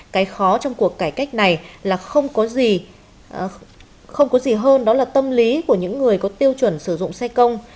cái khó trong cuộc cải cách này là không có gì hơn đó là tâm lý của những người có tiêu chuẩn sử dụng xe công